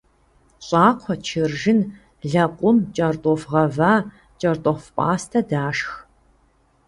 Щӏакхъуэ, чыржын, лэкъум, кӏэртӏоф гъэва, кӏэртӏоф пӏастэ дашх.